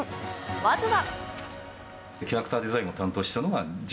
まずは。